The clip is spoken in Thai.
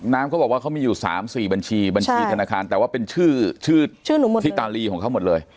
เขาบอกว่าเขามีอยู่๓๔บัญชีบัญชีธนาคารแต่ว่าเป็นชื่อชื่อพี่ตาลีของเขาหมดเลย